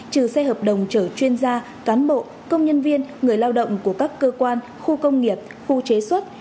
trừ xe hợp đồng chở chuyên gia cán bộ công nhân viên người lao động của các cơ quan khu công nghiệp khu chế xuất